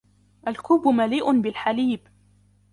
الكوب مليء بالحليب.